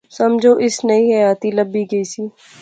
سمجھو اس نئی حیاتی لبی گئی سی